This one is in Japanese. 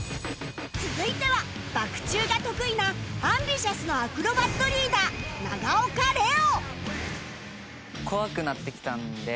続いてはバク宙が得意な ＡｍＢｉｔｉｏｕｓ のアクロバットリーダー永岡蓮王